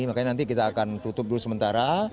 makanya nanti kita akan tutup dulu sementara